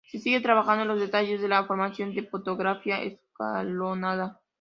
Se sigue trabajando en los detalles de la formación de topografía escalonada.